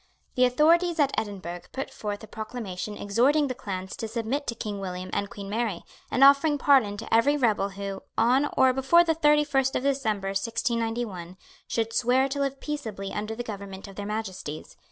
The authorities at Edinburgh put forth a proclamation exhorting the clans to submit to King William and Queen Mary, and offering pardon to every rebel who, on or before the thirty first of December 1691, should swear to live peaceably under the government of their Majesties.